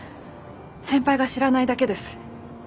先輩が知らないだけです。